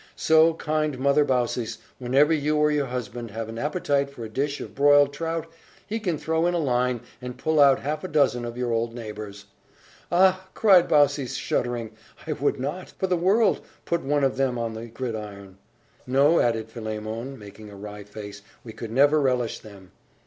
So, kind Mother Baucis, whenever you or your husband have an appetite for a dish of broiled trout, he can throw in a line, and pull out half a dozen of your old neighbours!" "Ah," cried Baucis, shuddering, "I would not, for the world, put one of them on the gridiron!" "No," added Philemon, making a wry face, "we could never relish them!"